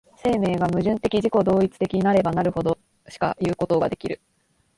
生命が矛盾的自己同一的なればなるほどしかいうことができる。